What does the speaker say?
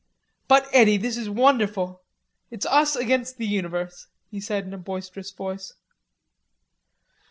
"But, Eddy, this is wonderful. It's us against the universe," he said in a boisterous voice.